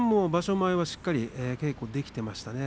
前はしっかり稽古ができていますね。